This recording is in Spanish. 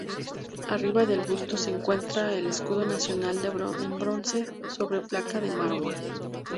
Arriba del busto se encuentra el Escudo Nacional en bronce, sobre placa de mármol.